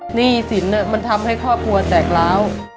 หนี้สินมันทำให้ครอบครัวแตกร้าว